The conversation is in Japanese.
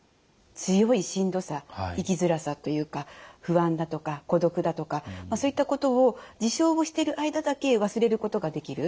強いしんどさ生きづらさというか不安だとか孤独だとかそういったことを自傷をしてる間だけ忘れることができる。